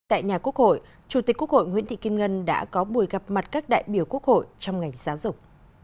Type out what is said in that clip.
tại nhà quốc hội chủ tịch quốc hội nguyễn thị kim ngân đã có buổi gặp mặt các đại biểu quốc hội trong ngành giáo dục